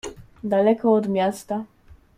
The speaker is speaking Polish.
"Daleko od miasta..."